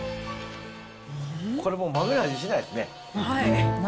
これもう、豆の味しないですね。